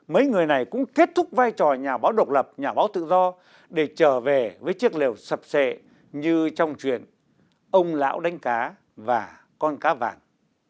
mấy người này cũng kết thúc vai trò nhà báo độc lập nhà báo tự do để trở về với chiếc lều sập sệ như trong chuyện ông lão đánh cá và con cá vàng